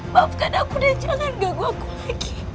maafkan aku dan jangan ganggu aku lagi